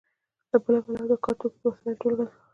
له بله پلوه د کار توکي د وسایلو ټولګه ده.